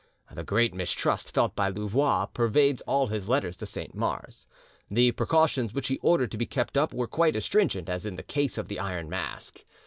The great mistrust felt by Louvois pervades all his letters to Saint Mars. The precautions which he ordered to be kept up were quite as stringent as in the case of the Iron Mask.